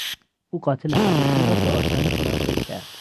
او قاتل حقیقی را به آسانی شناسایی کرد.